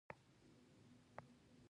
چا چې پۀ شعوري توګه دَپښتو ژبې